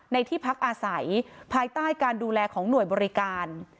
ที่พักอาศัยภายใต้การดูแลของหน่วยบริการ